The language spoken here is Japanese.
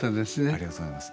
ありがとうございます。